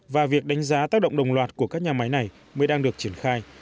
và việc đánh giá tác động đồng loạt của các nhà máy này mới đang được triển khai